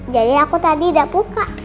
jadi aku tadi udah buka